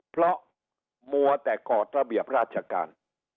เพราะมัวแต่ก่อระเบียบราชการ